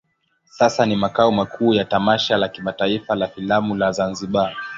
Sasa ni makao makuu ya tamasha la kimataifa la filamu la Zanzibar.